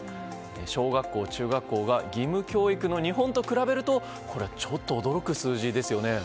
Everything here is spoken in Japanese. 小学校、中学校が義務教育の日本と比べるとこれはちょっと驚く数字ですよね。